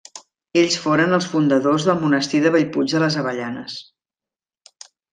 Ells foren els fundadors del monestir de Bellpuig de les Avellanes.